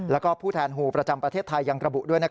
แล้วก็ผู้แทนฮูประจำประเทศไทยยังกระบุด้วย